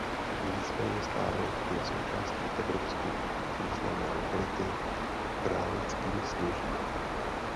Nicméně stále je součástí evropsky významné lokality Králický Sněžník.